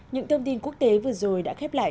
những thông tin quốc tế vừa rồi đã khép lại